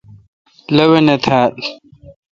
لوانہ تھال۔